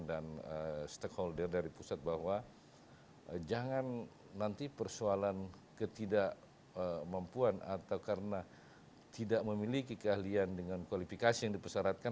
dan stakeholder dari pusat bahwa jangan nanti persoalan ketidakmampuan atau karena tidak memiliki keahlian dengan kualifikasi yang dipesaratkan